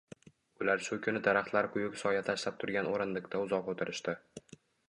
Ular shu kuni daraxtlar quyuq soya tashlab turgan o`rindiqda uzoq o`tirishdi